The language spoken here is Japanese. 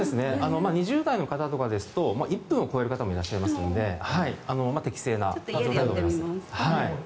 ２０代の方とかですと１分を超える方もいらっしゃいますので適正な数字だと思います。